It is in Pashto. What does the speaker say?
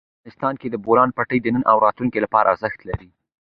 افغانستان کې د بولان پټي د نن او راتلونکي لپاره ارزښت لري.